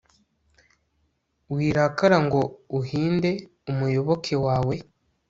wirakara ngo uhinde umuyoboke wawe